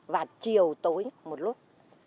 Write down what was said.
vào chiều tối một lúc